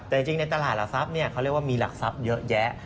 แต่จริงในตลาดหลักทรัพย์เขาเรียกว่ามีหลักทรัพย์เยอะแยะ